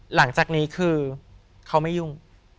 หลังจากนี้คือเขาไม่ยุ่ง